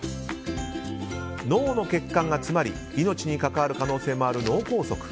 脳の血管が詰まり命にかかわる可能性もある脳梗塞。